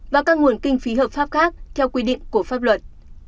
và các nguồn kinh phí hợp pháp khác theo quy định của pháp luật